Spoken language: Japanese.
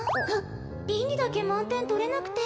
倫理だけ満点とれなくて